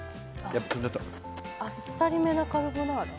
あっさりめなカルボナーラ。